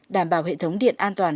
đảm bảo hệ thống điện an toàn